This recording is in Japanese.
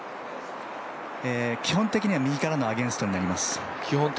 基本的には右からのアゲンストになります。